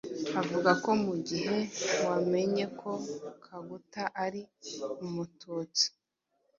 avuga ko mu gihe wamenye ko Kaguta ari Umututsi